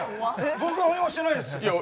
僕、何もしてないですよ。